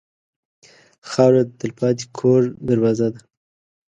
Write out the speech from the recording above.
خاوره د تلپاتې کور دروازه ده.